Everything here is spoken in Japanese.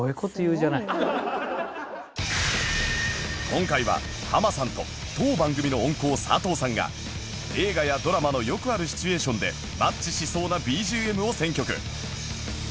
今回はハマさんと当番組の音効佐藤さんが映画やドラマのよくあるシチュエーションでマッチしそうな ＢＧＭ を選曲